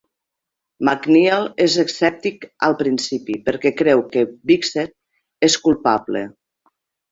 McNeal és escèptic al principi, perquè creu que Wiecek és culpable.